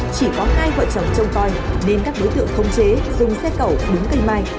chỉ có hai vợ chồng trông coi nên các đối tượng thông chế dùng xe cẩu đúng cây mai